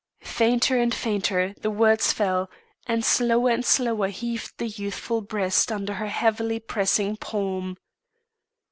Fainter and fainter the words fell, and slower and slower heaved the youthful breast under her heavily pressing palm.